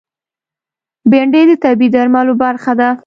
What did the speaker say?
بېنډۍ د طبعي درملو برخه ده